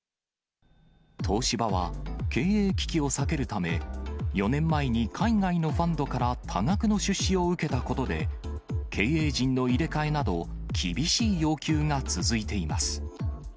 東芝は、経営危機を避けるため、４年前に海外のファンドから多額の出資を受けたことで、経営陣の入れ替えなど、厳しい要求が続いています。